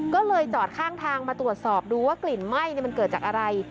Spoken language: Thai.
ก็เลยจอดข้างทางมาตรวจสอบดูว่ากลิ่นไหม้มันเกิดจากอะไร